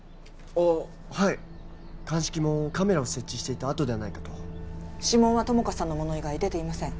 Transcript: あっはい鑑識もカメラを設置していた跡ではないかと指紋は友果さんのもの以外出ていません